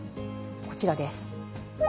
こちらです。